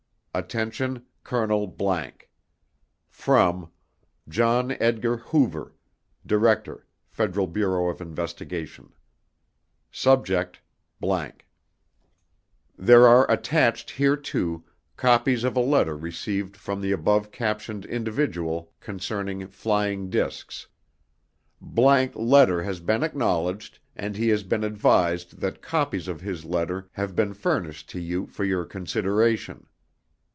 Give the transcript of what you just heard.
Attention: Colonel ____ From: John Edgar Hoover Director, Federal Bureau of Investigation Subject: ____ There are attached hereto copies of a letter received from the above captioned individual concerning "flying discs." ____ letter has been acknowledged and he has been advised that copies of his letter have been furnished to you for your consideration.